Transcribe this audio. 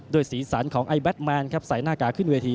สีสันของไอแดดแมนครับใส่หน้ากากขึ้นเวที